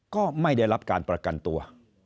ก็ไม่ได้รับการประกันตัว